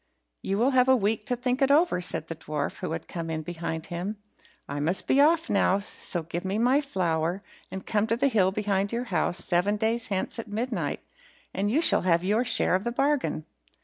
"You will have a week to think it over in," said the dwarf, who had come in behind him; "I must be off now, so give me my flour, and come to the hill behind your house seven days hence at midnight, and you shall have your share of the bargain."